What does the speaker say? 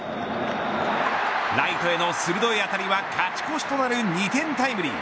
ライトへの鋭い当たりは勝ち越しとなる２点タイムリー。